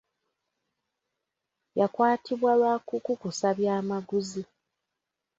Yakwatibwa lwa kukukusa byamaguzi.